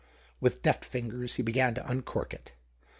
With deft fingers he l)egan to uncork it.